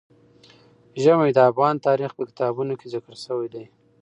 ژمی د افغان تاریخ په کتابونو کې ذکر شوی دي.